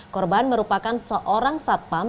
korban merupakan seorang satpam